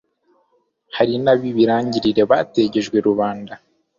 hari n'ab'ibirangirire bategejwe rubanda